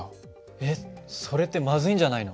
えっそれってまずいんじゃないの？